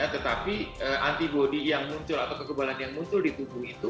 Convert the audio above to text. tetapi antibody yang muncul atau kekebalan yang muncul di tubuh itu